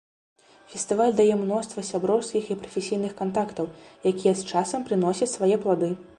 Фестываль дае мноства сяброўскіх і прафесійных кантактаў, якія з часам прыносяць свае плады.